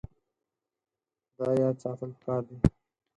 دا یاد ساتل پکار دي.